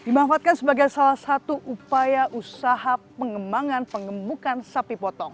dimanfaatkan sebagai salah satu upaya usaha pengembangan pengemukan sapi potong